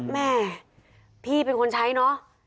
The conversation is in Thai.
แม่พี่เป็นคนใช้เนอะ